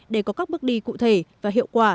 để có các bước đi cụ thể và hiệu quả